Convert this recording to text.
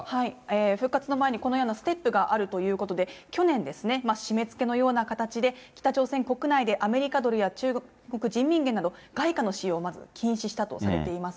復活の前に、このようなステップがあるということで、去年ですね、締めつけのような形で、北朝鮮国内でアメリカドルや中国人民元など、外貨の使用をまず禁止したとされています。